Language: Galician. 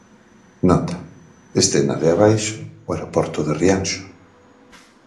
Nota: escena de Abaixo o aeroporto de Rianxo.